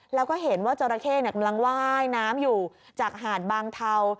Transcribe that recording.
แล้วก็เห็นว่าจราเข้กำลังว่ายน้ำอยู่จากหาดบางเทา